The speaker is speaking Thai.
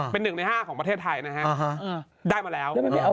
เป็นหนึ่งในห้าของประเทศไทยนะฮะ